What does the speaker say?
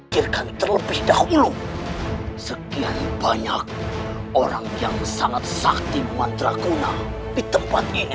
pikirkan terlebih dahulu sekian banyak orang yang sangat sakti mantraguna di tempat ini